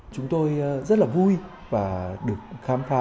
chúng tôi rất là vui và được khám phá